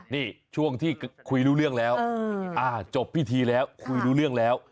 นี่ช่วงที่คุยรู้เรื่องแล้วจบพิธีแล้วคุยรู้เรื่องแล้ว